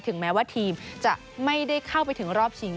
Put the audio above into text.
แม้ว่าทีมจะไม่ได้เข้าไปถึงรอบชิง